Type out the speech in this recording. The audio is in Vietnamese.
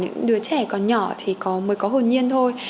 những đứa trẻ còn nhỏ thì mới có hồn nhiên thôi